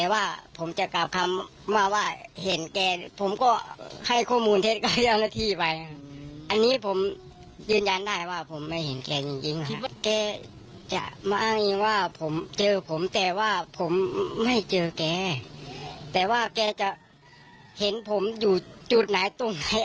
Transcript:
ว่าผมไม่เจอแกแต่ว่าแกจะเห็นผมอยู่จุดไหนตรงไหน